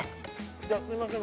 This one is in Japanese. じゃあすいません